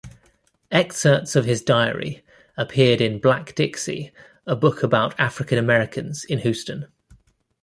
Excerpts of his diary appeared in "Black Dixie", a book about African-Americans in Houston.